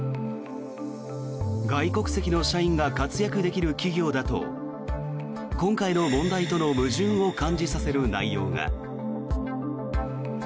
外国籍の社員が活躍できる企業だと今回の問題との矛盾を感じさせる内容が。